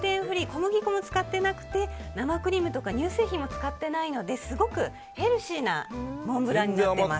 小麦粉も使ってなくて生クリームとか乳製品も使ってないので、すごくヘルシーなモンブランになっています。